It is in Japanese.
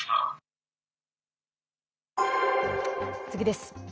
次です。